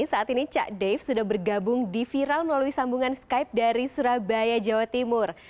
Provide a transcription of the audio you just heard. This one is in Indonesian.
saat ini cak dave sudah bergabung di viral melalui sambungan skype dari surabaya jawa timur